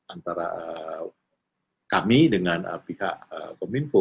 antara kami dengan pihak kominfo